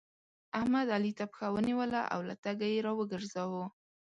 احمد؛ علي ته پښه ونيوله او له تګه يې راوګرځاوو.